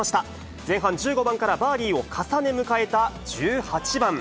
前半１５番からバーディーを重ね、迎えた１８番。